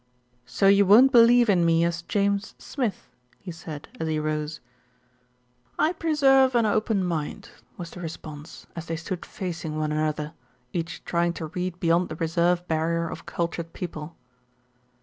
"So you won't believe in me as James Smith," he said as he rose. "I preserve an open mind," was the response, as they stood facing one another, each trying to read beyond the reserve barrier of cultured people.